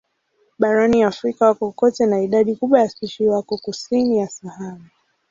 Barani Afrika wako kote na idadi kubwa ya spishi wako kusini ya Sahara.